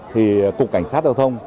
thì cục cảnh sát giao thông